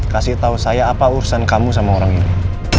kasih tahu saya apa urusan kamu sama orang ini